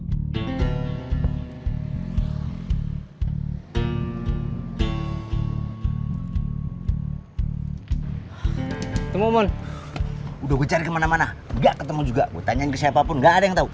hai teman teman udah kejar kemana mana nggak ketemu juga tanyain ke siapapun nggak ada yang tahu